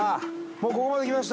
もうここまで来ました。